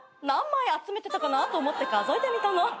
何枚集めてたかなと思って数えてみたの。